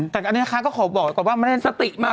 แต่อันนี้นะคะก็ขอบอกก่อนว่ามันคือ